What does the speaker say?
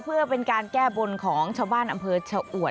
เพื่อเป็นการแก้บนของชาวบ้านอำเภอชะอวด